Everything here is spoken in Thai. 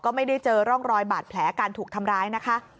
ก็ไม่ได้เจอร่องรอยบาดแผลการถูกทำร้ายนะคะ